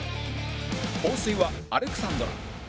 放水はアレクサンドラ